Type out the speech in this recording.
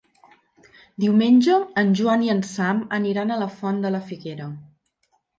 Diumenge en Joan i en Sam aniran a la Font de la Figuera.